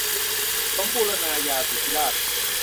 สมบูรณาญาสิทธิราช